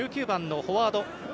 １９番、フォワード